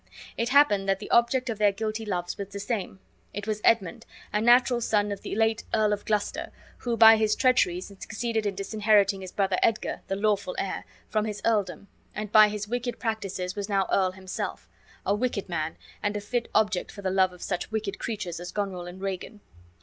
It happened that the object of their guilty loves was the same. It was Edmund, a natural son of the late Earl of Gloucester, who by his treacheries had succeeded in disinheriting his brother Edgar, the lawful heir, from his earldom, and by his wicked practices was now earl himself; a wicked man, and a fit object for the love of such wicked creatures as Goneril and Regan.